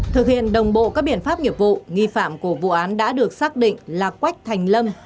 thực hiện đồng bộ các biện pháp nghiệp vụ nghi phạm của vụ án đã được xác định là quách thành lâm